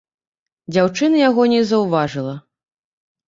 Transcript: Дзяўчына яго не заўважыла.